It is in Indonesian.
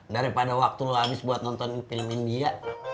daripada waktu lo habis buat nonton filmin dia